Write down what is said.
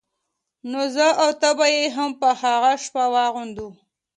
نو زه او ته به يې هم په هغه شپه واغوندو.